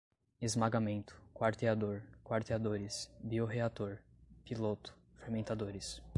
esmagamento, quarteador, quarteadores, biorreator, piloto, fermentadores